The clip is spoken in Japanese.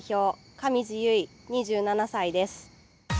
上地結衣、２７歳です。